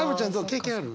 経験ある？